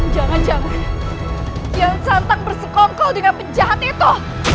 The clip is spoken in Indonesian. jangan jangan yang santang bersekongkol dengan penjahat itu